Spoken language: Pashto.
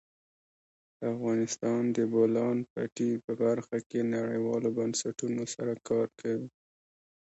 افغانستان د د بولان پټي په برخه کې نړیوالو بنسټونو سره کار کوي.